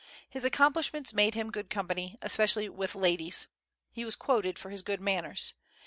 Ilis accomplishments made him good company, especially with ladies. lie was quoted for his good manners.